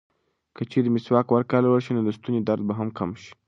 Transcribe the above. که چېرې مسواک وکارول شي، نو د ستوني درد به هم کم شي.